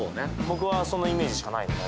僕はそのイメージしかないね